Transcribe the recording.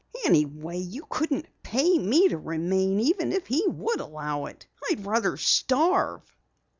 Anyway, you couldn't hire me to remain even if he would allow it. I'd rather starve."